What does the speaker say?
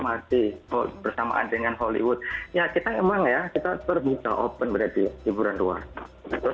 masih bersamaan dengan hollywood ya kita emang ya kita terbuka open berarti hiburan luar terus